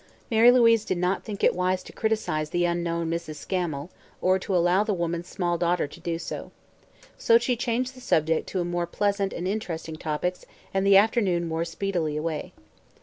Mary Louise did not think it wise to criticize the unknown Mrs. Scammel or to allow the woman's small daughter to do so. So she changed the subject to more pleasant and interesting topics and the afternoon wore speedily away.